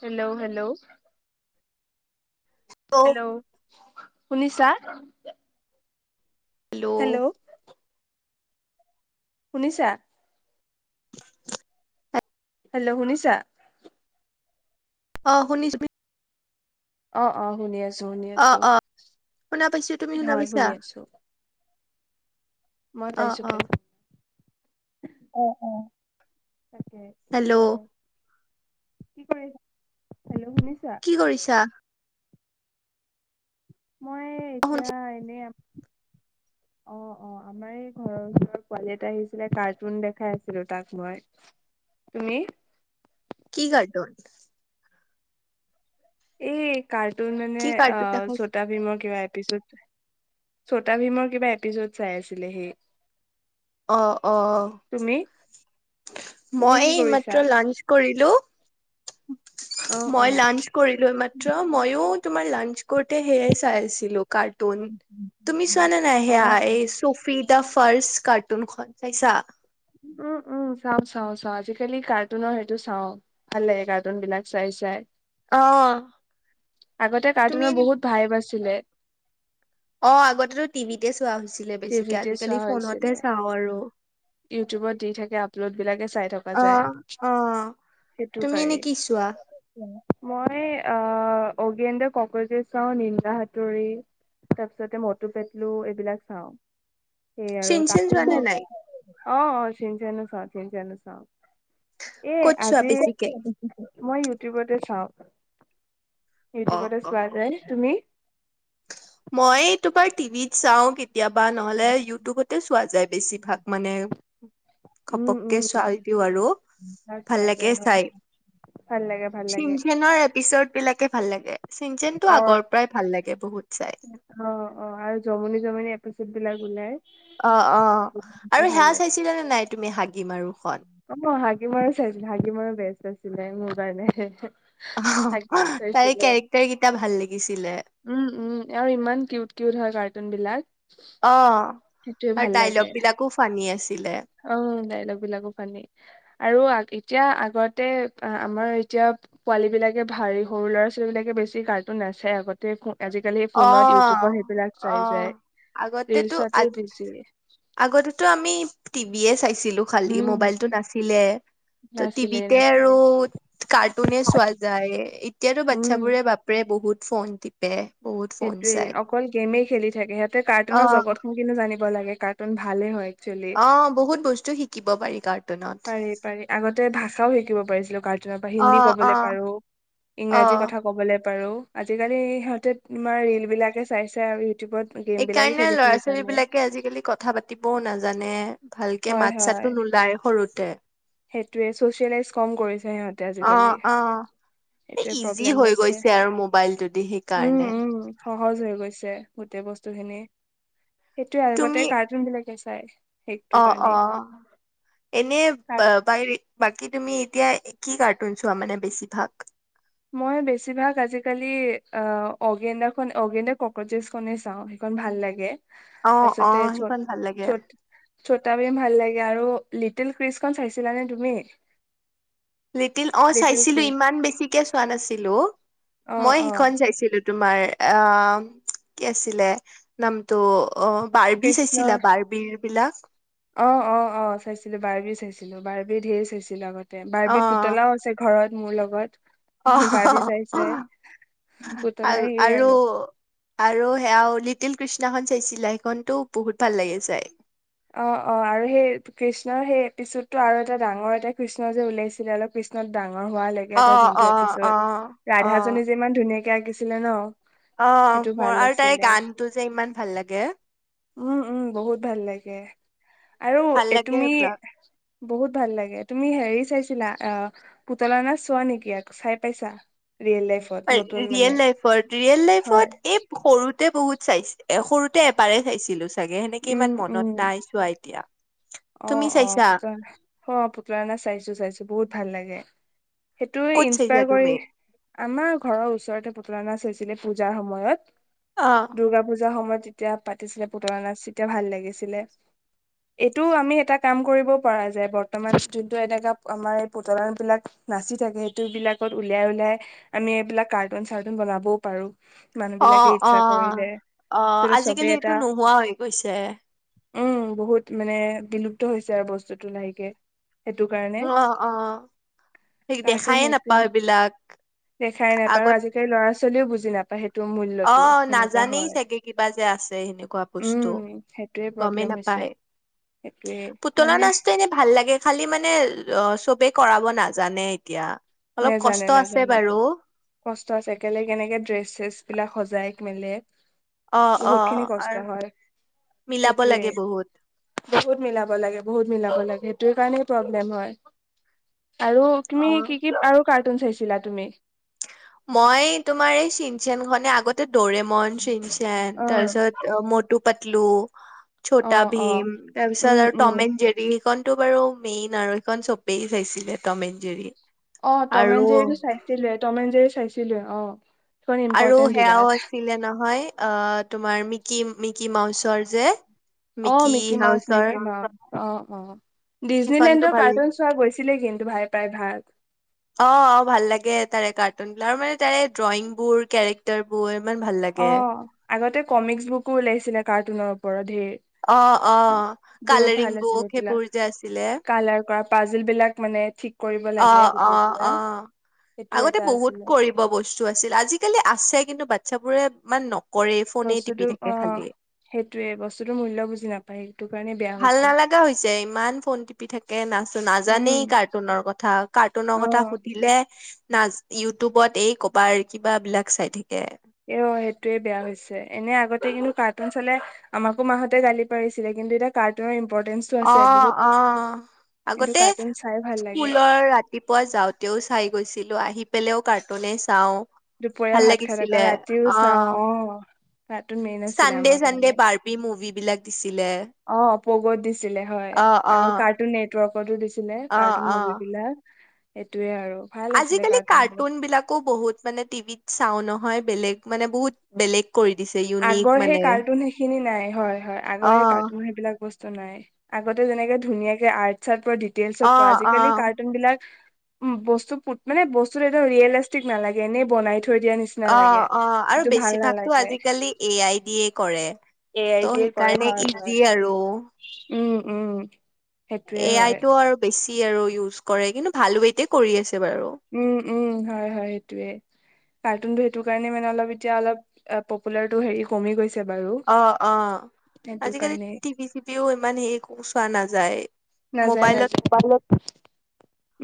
Hello hello hello শুনিছা? Hello শুনিছা? Hello শুনিছা? অ শুনিছো তুমি। অ অ শুনি আছো। শুনি অ আছো অ শুনা পাইছো তুমি শুনা হয় পাইছা। শুনি আছো মই অ' পাইছোঁ। অ' অ অ তাকে কি হেল্ল' কয় কি কৰি [unintelligible] কি কৰিছা? [inaudible] এতিয়া অহঞ্চ এনে অ, ' অ', আমাৰ এই ঘৰৰ ওচৰৰ পোৱালি আহিছিলে কাৰ্টুন দেখাই আছিলো তাক মই। তুমি? কি কাৰ্টুন? এই কাৰ্ট তোন মানে কি কাৰ্টুন অ', দেখাইছে ছটা ভীমৰ কিবা এপিছোড ছটা ভীমৰ কিবা এপিছড চাই আছিলেহি। অ', অ'। তুমি মই কি এই মাত্ৰ কৰিছা লাঞ্চ কৰিলো। অ [unintelligible] অ মই লাঞ্চ কৰিলো এইমাত্ৰ। ময়ো তোমাৰ লাঞ্চ কৰি এ, সেয়ে চাইছিলো। কাৰ্টুন, তুমি চোৱা নে নাই অ সেয়া এই চফিত দা ফাৰ্ষ্ট কাৰ্টুনখন চাইছা? উ, উ, চাওঁ, চাওঁ, চাওঁ আজিকালি কাৰ্টুনৰ সেইটো চাওঁ। ভাললাগে কাৰ্টুন বিলাক চাই চাই। অ'। আগতে তুমি কাৰ্টুনৰ এনে বহুত ভাইব আছ চিলে। লে বেছিকে। টিভিতে আজিকালি চোৱা ফোনতে হৈছিলে চাওঁ আৰু। ইউটিউবত দি থাকে আপলোড বিলাকে চাই থকা যায়। অ' অ' সেইটো তুমি পাই। এনে কি চোৱা মই, অ', অৰ্গেণ্ডা কক‌ৰ'জেছ চাওঁ, নিন্দা হাতৰি, তাৰপিছতে মটু পেটলু এইবিলাক চাওঁ। চিন চিন চোৱানে নাই? অ অ', চিন চেনো চাওঁ, চিন চেনো চাওঁ। এ, ক'ত চোৱা আজি বেছিকে? মই ইউট। টিউবতে চাওঁ। অ', ইউটিউবতে চোৱা অ', যায়। তুমি? মই তোমাৰ টিভিত। চাওঁ কেতিয়াবা নহ'লে ইউটোবতে চোৱা যায় বেছিভাগ মানে, উম খপককে উম। চাই দিওঁ। আৰু ভাল চোৱা লাগে যায় হয় চাই। ভাল লাগে ভাল চিন লাগে চেনৰ এপিচদ বিলাক। তে ভাল লাগে। চিনচেন টো অ আগৰ পৰাই ভাল লাগে বহুত। চাই। অ', অ', আৰু জমনি জমনি এপিচড বিলাক। ওলাই। অ', অ', আৰু ভাল সেয়া লাগে। চাইছিলা নে নাই তুমি হাগ। গি মাৰো সত। অ', হাগি মাৰো চাইছিলো হাগি মাৰো বেষ্ট আছিলে মোৰ কাৰণে হে, হে। তাই কেৰেক্টাৰ কেইটা ভাল লাগিছিলে উম উম আৰু ইমান কিউট কিউট হয় কাৰ্টুন বিলাক। অ সেইটোৱে ভাল আৰু লাগে লগ বিলাকো ফানি আছিল। অ ডাইলগ বিলাকো ফণী আৰু। এতিয়া আগতে আমাৰ এতিয়া পোৱালী বিলাকে ভাৰী সৰু ল'ৰা ছোৱালী বিলাকে বেছি কাৰ্টো নাচায় আগতে। আজিকালি অ ফোনত ইউটিউবত সেইবিলাক অ আ চাই যায় আগতেতো ৰিলচতে বেছি আগতেতো আমি। B S I. চিলো খালী উম মোবাইল তো নাচিলে তিভী নাছিলে আৰু নাছিলে কাৰ্টুনো চোৱা যায়। এতিয়াতো উম বাচ্ছাবোৰে বাপেৰে বহুত। ফোন তিপে। সেইটোয়ে অকল গেমেই খেলি থাকে। সিহঁতে কাৰ্টুন অ', জগতখন কিন্তু জান। লাগে কাৰ্টুন ভালে হয়। একচুৱেলি অ বহুত বস্তু শিকিব পাৰি তাত। পাৰি পাৰি আগতে ভাষাও শিকিব পাৰিছিলো কাৰ্টুনৰ পৰা হিন্দী অ', কবলৈ অ', পাৰো, ইংৰাজী অ', কথা ক'বলৈ পাৰো। পাৰো আজিকালি ইহতে তোমাৰ ৰিল বিলাকে চাইছোই আৰু। ইউটিউবত গেম এই বিলাকে কাৰণে খেলি ল'ৰা খেলি ছোৱালী জানে বিলাকে আজিকালি কথা পাতিবও নাজানে। ভালকে হয় মাত হয় চাতো নোলায় সৰুতে। সেইটোৱে চচিয়েলাইজ কম কৰিছে সিহঁতে আজিকালি অ', অ', সেইটোৱে ইজি প্ৰব্লেম হৈ হৈছে। গৈছে আৰু মোবাইলটোদি সেইকাৰণে উম উম সহজ হৈ গৈছে গোটেই বস্তু খিনি। সেইটয়ে তুমি আগতে কাৰ্টুন বিলাক আছিল। তাই অ অ এনেই বা কাৰ- ব তাই এই বাকী তুমি এতিয়া কি কাৰ্টুন চোৱা মানে বেছিভাগ? মই বেছিভাগ আজিকালি অ অৰ্গেন্দা খন অৰ্গেন্দা কক্ৰচেছখনে চাওঁ সেইখন ভাল লাগে। অ অ তাৰপিছতে ছত সেইখন ভাল লাগে ছত ছোটা ভীম ভাল লাগে। এয়া আৰু লিটিল ক্ৰিষ্টখন চাইছিলানে তুম? লিটিল অ চাইছিলো ইমান বেছিকে চোৱা নাছিলো। অ মই অ সিখন চাইছিলো তোমাৰ অ কি আছিলে নামটো? অ বাৰ্বি কৃষ্ণৰ চাইছিলা বাৰ্বি? বিলাক অ অ অ চাইছিলো বাৰ্বি চাইছিলো বাৰ্বি ঢেৰ চাইছিলো আগত। অ বাৰ্বি পুতলাও আছে ঘৰত। মোৰ লগত অ বাৰ্বি চাই আৰু চাই পুতলাই সেয়ে আৰু আৰু সেয়াৱলি তিল কৃষ্ণাখন চাই চিলা? সেইখনতো বহুত ভাল লাগে চাই। অ অ আৰু সেই কৃষ্ণৰ সেই এপিছোতটো আৰু এটা ডাঙৰ এটা কৃষ্ণ যে ওলাইছিলে অলপ কৃষ্ণত ডাঙৰ ডাঙৰ হোৱা অ লেকে অ যোনটো অ এপিছত অ ৰাধাজনী যে ইমান ধুনীয়াকে- আঁকিছিলে ন? অ সেইটো ভাল মোৰ আৰু তাইৰ আছিলে গানটো যে ইমান ভাল লাগে। উম উম বহুত ভাল লাগে আৰু ভাল এ লাগে তুমি সেইবিলাক বহুত ভাল লাগে তুমি হেৰি চাইছিলা আহ পুতলা নাচ চোৱা নেকি আ চাই পাইছা? ৰিয়েল লাইফত নতুন মানে ৰিয়েল লাইফত ৰিয়েল হয় লাইফত এই সৰুতে বহুত চাই এ সৰুতে এপাৰেই চাইছিলো চাগে সেনেকে উম ইমান উম মনত নাই চোৱা এতিয়া অ তুমি অ চাইছা পুতলা নাচ অ পুতলা নাচ চাইছো চাইছো বহুত ভাল লাগে। সেইটোৱে ক'ত চাইছা ইনস্পায়াৰ কৰি তুমি আমাৰ ঘৰৰ ওচৰতে পুতলা নাচ হৈছে আছিলে পূজাৰ সময়ত অ দুৰ্গা পূজা সময়ত যেতিয়া পাতিছিলে পুতলা নাচ তেতিয়া ভাল লাগিছিলে এত- টো আমি এটা কাম কৰিবও পৰা যায় বৰ্তমান যোনটো এনেকা আমাৰ এই পুতলা বিলাক নাচি থাকে সেইটো বিলাকত উলিয়াই উলিয়াই আমি এইবিলাক কাৰ্টুন চাৰ্টুন বনাবও পাৰো। মানুহ অ বিলাকে অ ইচ্ছা কৰিলে অ তেতিয়া চবে আজিকালি এটা এইটো নোহোৱা হৈ গৈছে উম বহুত মানে বিলুপ্ত হৈছে আৰু বস্তুটো লাহেকে সেইটো কাৰণে অ অ অ সেইক কাৰ্টুন দেখায়ে সেইটোৱে নাপাওঁ সেইবিলাক আগত চলিও বুজি নাপায়হে অ নাজানেই চাগে কিবা যে আছে সেনেকোৱা বস্তু উম সেইটোয়ে গমেই প্ৰব্লেম হৈছে নাপায় সেইটোয়ে পুতলা মানে নাচটো এনেই ভাল লাগে খালি মানে অ চবে কৰাব নাজানে এতিয়া অলপ নেজানে কষ্ট আছে নেজানে বাৰু কষ্ট আছে একেলগে কেনেকে ড্ৰেছে ছেছ বিলাক সজা যাইক মেলে অ' বহুত অ' খিনি কষ্ট আৰু হয় মিলাব সেইটোৱে লাগে বহুত। বহুত মিলাব লাগে বহুত মিলাব লাগে সেইটো কাৰণে প্ৰব্লেম হয় আৰু তুমি কি অ' আৰু কাৰ্টুন চাইছিলা তুমি মই তোমাৰ এই চিন চেনখনে আগত দৰে মন চেন চেন অ তাৰপিছত মুটুক পতলু অ ছোটা অ ভীম তাৰপিছত উম আৰু উম টমেন যেৰি সেখনতো বাৰু মেইন আৰু সেখন চবেই চাইছিলে টম এণ্ড জেৰি অ টম আৰু এণ্ড জেৰিটো চাইছিলে টম এণ্ড জেৰি চাইছিলে অ সেইখন আৰু ইম্পৰ্টেণ্ট বিৰাট সেয়াও আছিলে নহয় অ তোমাৰ মিকিম মিকি মাউচৰ যে অ মিকি মাউচ হাউচৰ মিকি মাউচ অ অ সেইখনতো ডিজনীলেণ্ডৰ ভালেই কাৰ্টুন চোৱা গৈছে আছিলে কিন্তু ভাই প্ৰায় ভাগ অ অ ভাল লাগে তাৰে কাৰ্টুন বিলাক আৰু মানে তাৰে ড্ৰয়িং বোৰ কেৰেক্টাৰ বোৰ ইমান ভাল অ লাগে আগতে কমিক্স বুকো ওলাইছিলে কাৰ্টুনৰ ওপৰত ধেৰ অ অ বহুত কালাৰিং ভাল আছিল বুক এইবিলাক সেইবোৰ যে আছিলে কালাৰ কৰা পাজিল বিলাক মানে ঠিক কৰিব অ লাগে অ অ গোটেইবিলাক সেইটো আগতে এটা বহুত আছিলে কৰিব বস্তু আছিল আজিকালি আছে কিন্তু বাচ্ছাবোৰে ইমান নক কৰে ফোনেই টিপি থাকে খালি যিটো মূল্য বুজি নাপায়েই ভাল নালাগা হৈছে, ইমান ফোন টিপি থাকে। নাচো নাজানেই উম কাৰ্টুনৰ কথা অ কাৰ্টুনৰ কথা সুধিলে না ইউটিউবত এই কবাৰ কিবা বিলাক চাই থাকে। ইয়, সেইটোয়ে বেয়া হৈছে। এনে আগতে কিন্তু কাৰ্টুন চালে আমাকো মাহতে গালি পাৰিছিলে। কিন্তু এতিয়া কাৰ্টুনৰ ইম্পৰ্টেঞ্চটো আছে অ' বহুত অ' কিন্তু আগতে কাৰ্টুন চাই ভাল লাগে স্কুলৰ ৰাতিপুৱা যাওঁতেও চাই গৈ ছিলো আহি পেলেও কাৰ্টুনে চাওঁ। দুপৰীয়া ভাল ভাত খাই লাগিছিলে থকা ৰাতিও অ চাওঁ অ'। কাৰ্টুন মেইন আছিলে চানডে আমাৰ চানডে কাৰণে বাৰ্বি মুভি বিলাক। দিছিলে। অ' পগত দিছিলে হয়, অ অ আৰু কাৰ্টুনেট। [unintelligible] ছিলে অ কাৰ্টুন অ মুভি বিলাক। সেইটোয়ে আৰু। ভাল আছিলে আজিকালি কাৰ্টুন বোৰ কাৰ্টুনবিলাকো বহুত মানে টিভিত চাও নহয়। বেলেগ মানে বহুত বেলেগ। কৰি দিছে ইউনিক আগৰ সেই মানে কাৰ্টুন সেইখিনি নাই হয়, হয় অ আগৰ সেই কাৰ্টুন সেইবিলাক বস্তু নাই আগতে যেনেকে ধুনীয়াকে আৰ্ট, অ চাৰ্ট অ আজিকালি কাৰ্টুন বিলাক উম, বস্তু পু মানে বস্তুত একদম ৰিয়েলিষ্টিক নালাগে এনেই বনাই থ অ, অ আৰু বেছিভাগতো নালাগে আজিকালি এ আই ডি এ কৰে এ আই ত' দিয়ে কৰে সেইকাৰণে হয় হয় ইজি আৰু উম, উম। সেইটোয়ে এ হয় আইটো আৰু বেছি। আৰু ইউজ কৰে কিন্তু ভাল ৱেইট কৰি আছে। বাৰু উম, উম, হয়-হয় সেইটোৱে। কাৰ্টনটো সেইটো কাৰণে মানে অলপ এতিয়া অলপ পপুলাৰ টো হেৰি কমি গৈছে। বাৰু অ' অ' সেইটো আজিকালি কাৰণে টি ভি চিভিও ইমান হেৰি চোৱা নাযায়। নাযায় মবাইলত নাযায়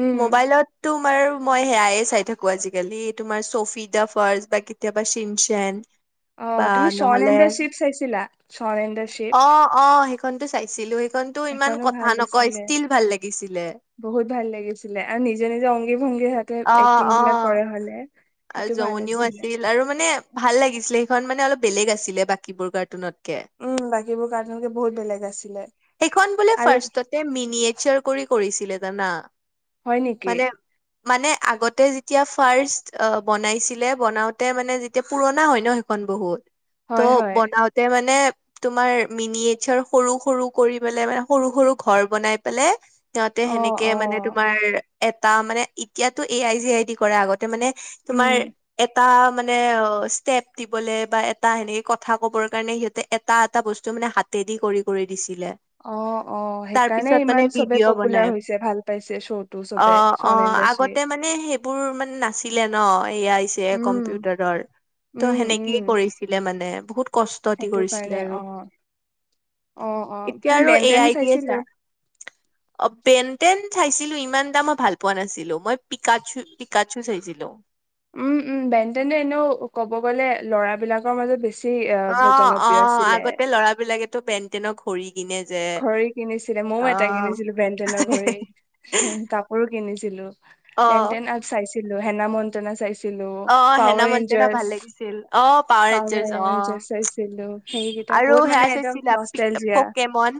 উম মবাইলতো মাৰ আৰু মই সেয়াইে চাই থাকোঁ। আজিকালি তোমাৰ চফি দা ফাৰ বা কেতিয়াবা চিমচেন অ'তুমি স্বৰনেন্দ চিফ চাইছা? ছিলা। অ, অ' সেইখনতো চাই। ছিলো। টো ইমান সেইখনো কথা ভাল নকয় আছিলে ষ্টীল ভাল লাগিছিলে। জেনেৰেলি অংগি অ অ আৰু সেইটো ভাল জমনিও আছিলে আছিল আৰু মানে ভাল লাগিছিল। আছিলে সেইখন মানে অলপ বেলেগ আছিলে বাকীবোৰ কাৰতুনত। কে, উম বাকীবোৰ কাৰ্টুনকে বহুত বেলেগ আছিলে সেইখন বোলে আৰু ফাৰ্ষ্টতে মিনিয়েচাৰ কৰি কৰিছিলে। জানা হয় নেকি? মানে মানে আগতে যেতিয়া ফাৰ্ষ্ট বনাইছিলে বনাওতে মানে যেতিয়া পুৰণা হয় ন সেইখন বহুত। ত হয় হয় বনাওঁতে মানে তোমাৰ মিনি এইচাৰ সৰু সৰু কৰি পেলাই মানে সৰু সৰু ঘৰ বনাই পেলে সিহঁতে অ সেনেকে অ মানে তোমাৰ এটা মানে ইয়াতো এ আই চি আই দি কৰে আগত মানে তোমাৰ উম এটা মানে অ ষ্টেপ দিবলৈ বা এটা সেনেকে কথা কবৰ কাৰণে সিহঁতে এটা এটা বস্তু মানে হাতেদি কৰি কৰি দিছিল। অ অ সেইকাৰণে মানে ইমান চবে ভিডিঅ' বনাই পপুলাৰ হৈছে ভাল পাইছে শ্ব' টো চবে সণ ইণ্ডষ্ট্ৰী। তে মানে সেই বোৰ মানে নাছিলে ন। এইয়া আহিছে উম কম্পিউটাৰ দল, ত' উম সেনেকেই উম কৰিছিলে মানে। বহুত কষ্ট দি সেইটো কৰিছিলে কাৰণে আৰু অ অ অ এতিয়া তুমি আৰু এ বেনটেন আই দিয়ে চাইছিলা চব। অ'পেন তেন চাইছিলো ইমান এটা মই ভাল পোৱা নাছিলো মই পিকাুচু পিকাচু চাইছিলো। উম, উম বেনটেনে এনেও ক'ব গ'লে ল'ৰা বিলাকৰ মাজত বেছি আহ, অ' জনপ্ৰিয় অ' আছিলে আগতে লৰা বিলাকেতো বেনতেনৰ ঘড়ি ঘড়ী কিনিছিলে মইও এটা কিনিছিলো বেনতেনৰ ঘড়ী। কাপোৰো কিনিছিলো। ছিলো। অ বেনতেন আ চাইছিলো। হেনা মন্তনা চাইছোঁ। অ হেনা পাৱাৰ মন্তেনা ভাল লাগিছিল অ পাৱাৰ ৰেঞ্জাৰ্চ অ এঞাৰ চাইছিলো, সেইকেইটা আৰু বহুত মানে সেয়া একদম চাইছিলা পি নষ্টালজিয়া। পকেমন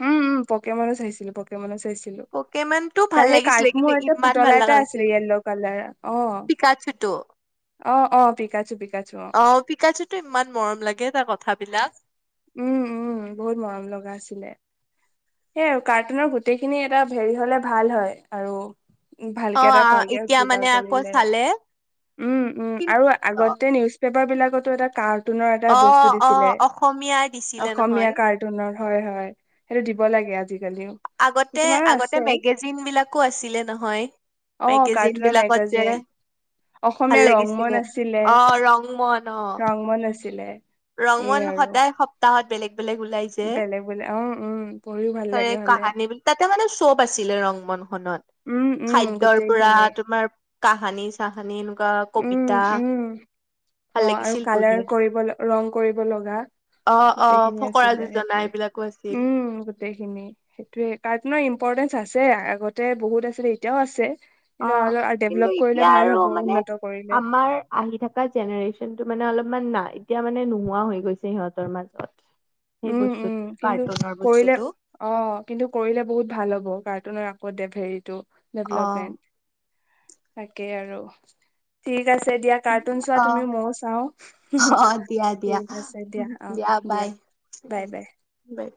উম, উম প'কেমনো চাইছিলো। প'কেমনো চা পকেম'নটো ভাল লাগিছিলে। কিন্তু মোৰ এটা ইমান ভাল পুতলা লগা এটা আছিলে নাছিল। য়েল্ল' কালাৰ অ পিকা চুটো অ অ পিকাচু পিকাচু অ' পিকা চুটো ইমান মৰম লাগে তাৰ কথাবিলাক। উম, উম বহুত মৰম লগা আছিলে। সেই আৰু কাৰ্টুনৰ গোটেইখিনি এটা হেৰি হলে ভাল হয় আৰু অ ভালকে এটা ভালকে এতিয়া যোগাৰ মানে আকৌ কৰিলে। চালে উম, উম কি আৰু আগতে নিউজ পেপাৰ পেপাৰ বিলাকতো এটা কা অ' অ অসমীয়াই দিছিলে অসমীয়া নহয়। কাৰ্টুনৰ হয় হয় সেইটো হ'ব লাগে। আজিকালিও আগতে কিছুমানৰ আগতে আছে মেগাজিন বিলাকো আছিলে নহয়। অ মেগাজিন কাৰ্টুনৰ বিলাকত যে মেগাজিন ভাল অসমীয়া ৰংমন লাগিছিলে। আছিলে অ'ৰংমন অ' ৰংমন আছিলে এই ৰংমন আৰু সদায় সপ্তাহত বেলেগ বেলেগ ওলাই যে বেলেগ বেলেগ অ' অ' উম পঢ়িও ভাল তাৰে লাগে। হলে কাহানী বুলি তাতে মানে চব আছিলে ৰং মন খনত। উম উম খাদ্য ৰ পৰা গোটেইখিনি তোমাৰ কাহানী- চাহানী বা উম কবিতা উম ভাল অ' আৰু লাগিছিল পঢ়ি কালাৰ কৰিবলৈ ৰং কৰিব লগা। অ অ গোটেইখিনি ফকৰা আছিলে যোজনা এইবিলাকো আছিল সেইয়ে উম গোটেইখিনি সেইটোয়ে ইম্পৰ্টেন্ত আছে আগতে বহুত আছিল এতিয়াও আছে। কিন্তু অ' অলপ কিন্তু ডেভলপ কৰিলে এতিয়া ভাল আৰু হ'ব মানে উন্নত কৰিলে আমাৰ আহি থকা জেনেৰেচন টো মানে অলপ ইমান নাই। এতিয়া মানে নোহোৱা হৈ গৈছে, সিহঁতৰ মাজত। সেই উম, বস্তুত উম, কিন্তু কাৰ্টুনৰ কৰিলে বস্তুটো অ, কিন্তু কৰিলে বহুত ভাল হ'ব কাৰ্টুনৰ দেভেৰিটো অ ডেভেলপমেণ্ট তাকেই আৰু তি ঠিক আছে দিয়া, কাৰ্টুন চোৱা অ তুমি ময়ো চাওঁ। অ দিয়া ঠিক আছে দিয়া, অ দিয়া। বাই উম, বাই বাই।